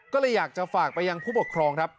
ก็เลยอยากจะฝากไปยังผู้ปกครองครับ